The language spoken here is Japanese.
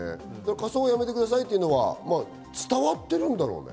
仮装をやめてくださいは伝わってるんだろうね。